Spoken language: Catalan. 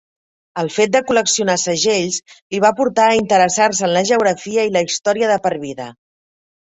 El fet de col·leccionar segells li va portar a interessar-se en la geografia i la història de per vida.